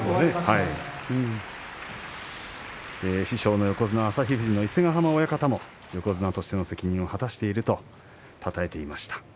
師匠の横綱旭富士の伊勢ヶ濱親方も横綱としての責任を果たしているとたたえていました。